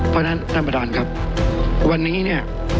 พอที่นั้นณประดานวันนี้นะ